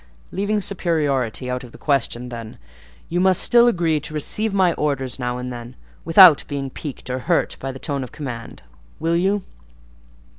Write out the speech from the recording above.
Leaving superiority out of the question, then, you must still agree to receive my orders now and then, without being piqued or hurt by the tone of command. Will you?"